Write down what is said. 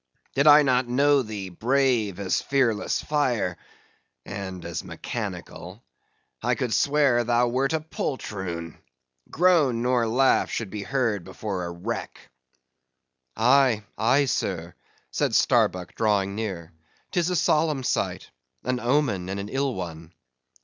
did I not know thee brave as fearless fire (and as mechanical) I could swear thou wert a poltroon. Groan nor laugh should be heard before a wreck." "Aye, sir," said Starbuck drawing near, "'tis a solemn sight; an omen, and an ill one."